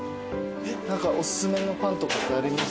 何かおすすめのパンとかってあります？